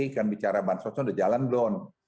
kan bicara bantuan sosial sudah jalan belum